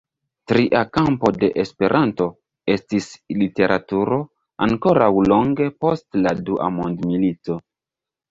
Tria kampo de "Esperanto" estis literaturo, ankoraŭ longe post la dua mondmilito.